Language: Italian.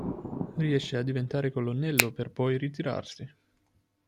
Riesce a diventare colonnello per poi ritirarsi.